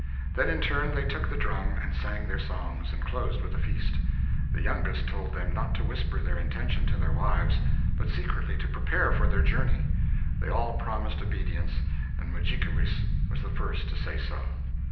Then, in turn, they took the drum, and sang their songs, and closed with a feast. The youngest told them not to whisper their intention to their wives, but secretly to prepare for their journey. They all promised obedience, and Mudjikewis was the first to say so.